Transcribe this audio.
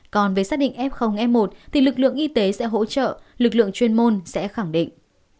còn với xác định f f một thì lực lượng y tế sẽ hỗ trợ lực lượng chuyên môn sẽ khẳng định